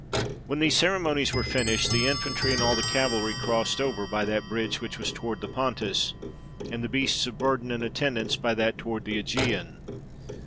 When these ceremonies were finished, the infantry and all the cavalry crossed over by that bridge which was toward the Pontus, and the beasts of burden and attendants by that toward the ^Egean.